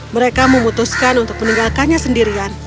mereka memutuskan untuk meninggalkannya sendirian